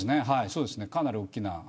そうですね、かなり大きな。